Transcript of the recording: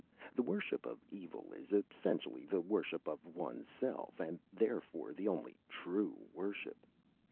The worship of Evil is essentially the worship of oneself, and therefore the only true worship.